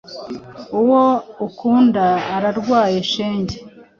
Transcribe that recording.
Uwo ukunda ararwaye shenge